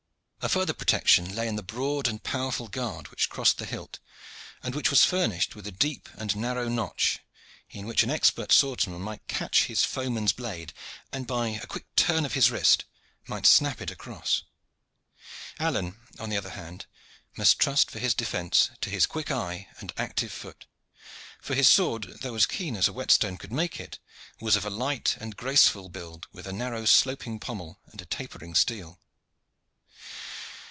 A further protection lay in the broad and powerful guard which crossed the hilt, and which was furnished with a deep and narrow notch, in which an expert swordsman might catch his foeman's blade, and by a quick turn of his wrist might snap it across. Alleyne, on the other hand, must trust for his defence to his quick eye and active foot for his sword, though keen as a whetstone could make it, was of a light and graceful build with a narrow, sloping pommel and a tapering steel.